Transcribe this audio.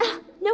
bawa ke toilet